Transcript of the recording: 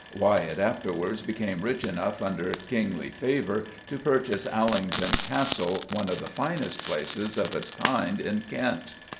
Wyatt afterwards became rich enough, under kingly favour, to purchase Allington Castle, one of the finest places of its kind in Kent.